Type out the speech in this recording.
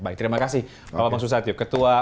baik terima kasih pak bambang susatyo ketua